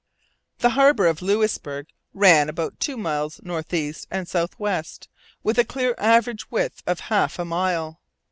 The harbour of Louisbourg ran about two miles north east and south west, with a clear average width of half a mile.